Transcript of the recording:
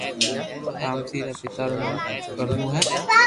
رامسي رآ پيتا رو نو ڪرمون ھي